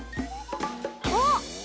あっ！